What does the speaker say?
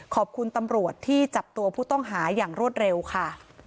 ขอบคุณตำรวจที่จับตัวผู้ต้องหาอย่างรวดเร็วค่ะ